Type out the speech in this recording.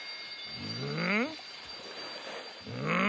うん？